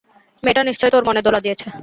মেয়েটা নিশ্চয়ই তোর মনে দোলা দিয়েছে!